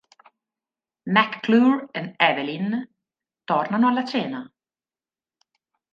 McClure e Evelyn tornano alla cena.